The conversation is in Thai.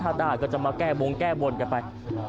ถ้าได้ก็จะมาแก้บงแก้บนกันไป